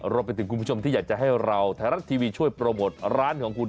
รวมไปถึงคุณผู้ชมที่อยากจะให้เราไทยรัฐทีวีช่วยโปรโมทร้านของคุณ